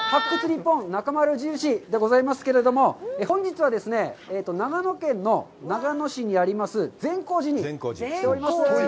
ニッポンなかまる印」でございますけれども、本日はですね、長野県の長野市にあります善光寺に来ております。